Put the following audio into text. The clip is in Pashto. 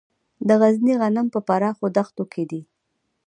د غزني غنم په پراخو دښتو کې دي.